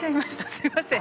すみません。